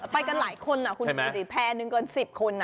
ไปกันหลายคนน่ะคุณแพ้หนึ่งกันสิบคนน่ะ